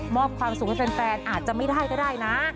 ความสุขให้แฟนอาจจะไม่ได้ก็ได้นะ